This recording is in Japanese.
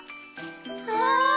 あ！